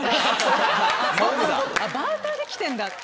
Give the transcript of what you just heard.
バーターで来てんだ。